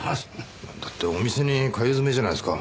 だってお店に通い詰めじゃないですか。